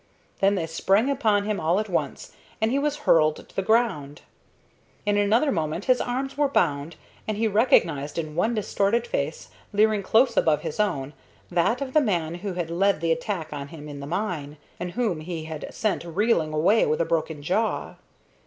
Then they sprang upon him all at once, and he was hurled to the ground. In another moment his arms were bound, and he recognized in one distorted face, leering close above his own, that of the man who had led the attack on him in the mine, and whom he had sent reeling away with a broken jaw.